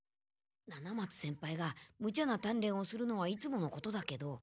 七松先輩がムチャな鍛錬をするのはいつものことだけど。